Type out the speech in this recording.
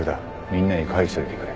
みんなに返しといてくれ